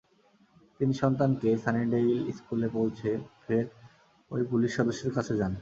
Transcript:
তিনি সন্তানকে সানিডেইল স্কুলে পৌঁছে দিয়ে ফের ওই পুলিশ সদস্যের কাছে যান।